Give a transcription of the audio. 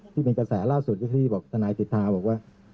ที่เป็นกระแสล่าสุดที่บอกทนายสิทธาบอกว่า